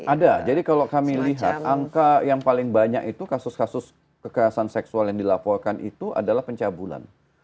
ada jadi kalau kami lihat angka yang paling banyak itu kasus kasus kekerasan seksual yang dilaporkan itu adalah pencabulan